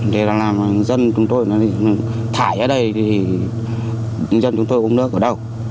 thế là làm dân chúng tôi thải ở đây thì dân chúng tôi uống nước ở đâu